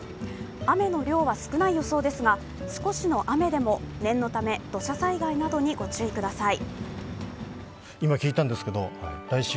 雨の量は少ない予想ですが、少しの雨でも念のため、土砂災害などにご注意ください。